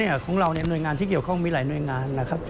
ดังนั้นของเราหน่วยงานที่เกี่ยวข้องมีหลายหน่วยงานนะครับ